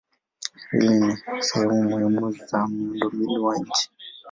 Reli ni sehemu muhimu za miundombinu wa nchi.